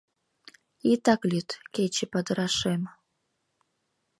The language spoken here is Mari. Итак лӱд, кече падырашем...